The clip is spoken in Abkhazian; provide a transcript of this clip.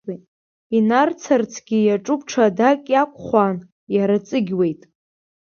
Инарцарцгьы иаҿуп ҽадак иақәхәаан, иара ҵыгьуеит.